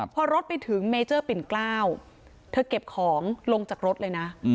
พอรถไปถึงเมเจอร์ปิ่นกล้าวเธอเก็บของลงจากรถเลยนะ